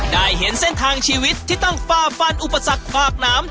ได้เห็นเส้นทางชีวิตที่ต้องฝ้าฟันอุปสรรคฝากหนาม